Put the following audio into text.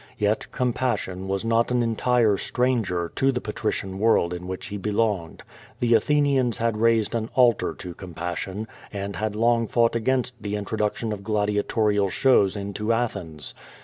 Yet compassion was not an en tire stranger to the patrician world in which he belonged. The Athenians had raised an altar to compassion, and had long fought against the introduction of gladiatorial shows into Athens.